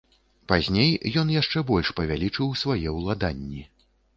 Пазней ён яшчэ больш павялічыў свае ўладанні.